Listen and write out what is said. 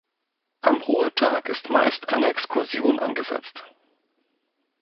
Am Ruhetag ist meist eine Exkursion angesetzt.